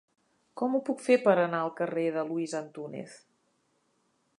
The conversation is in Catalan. Com ho puc fer per anar al carrer de Luis Antúnez?